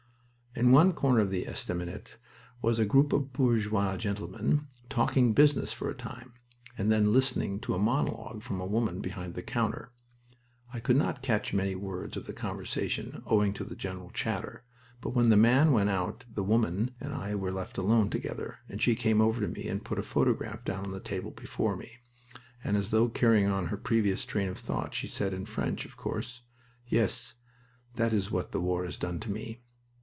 In one corner of the estaminet was a group of bourgeois gentlemen talking business for a time, and then listening to a monologue from the woman behind the counter. I could not catch many words of the conversation, owing to the general chatter, but when the man went out the woman and I were left alone together, and she came over to me and put a photograph down on the table before me, and, as though carrying on her previous train of thought, said, in French, of course: "Yes, that is what the war has done to me."